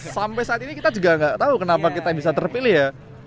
sampai saat ini kita juga nggak tahu kenapa kita bisa terpilih ya